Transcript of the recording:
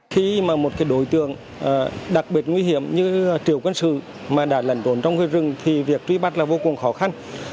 khi mà một cái đối tượng đặc biệt nguy hiểm như triều quân sự mà đã lẩn trốn trong rừng thì việc truy bắt là vô cùng khó khăn